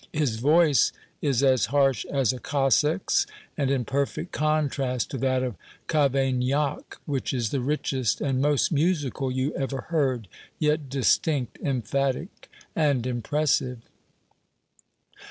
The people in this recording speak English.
His voice is as harsh as a Cossack's, and in perfect contrast to that of Cavaignac, which is the richest and most musical you ever heard, yet distinct, emphatic and impressive."